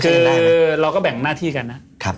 คือเราก็แบ่งหน้าที่กันนะ